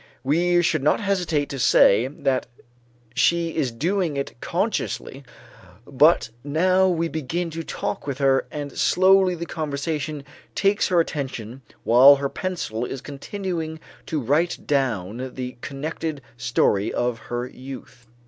We should not hesitate to say that she is doing it consciously but now we begin to talk with her and slowly the conversation takes her attention while her pencil is continuing to write down the connected story of her youth.